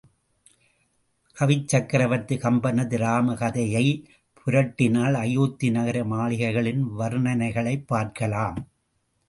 கவிச்சக்கரவர்த்தி கம்பனது இராம கதையைப் புரட்டினால், அயோத்தி நகர மாளிகைகளின் வர்ணனைகளைப் பார்க்கலாம்.